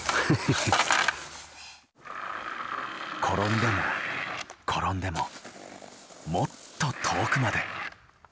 転んでも転んでももっと遠くまで。